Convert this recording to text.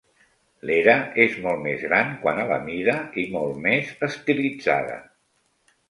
L'Hera és molt més gran, quant a la mida, i molt més estilitzada.